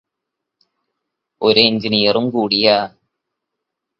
ഒരു എഞ്ചിനീയറും കൂടിയാ